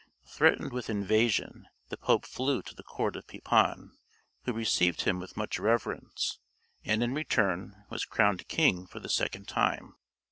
Threatened with invasion, the Pope flew to the court of Pepin, who received him with much reverence, and in return was crowned king for the second time.